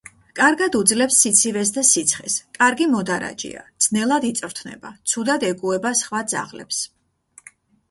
კარგად უძლებს სიცივეს და სიცხეს, კარგი მოდარაჯეა, ძნელად იწვრთნება, ცუდად ეგუება სხვა ძაღლებს.